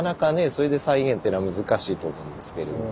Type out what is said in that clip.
それで再現っていうのは難しいと思うんですけれども。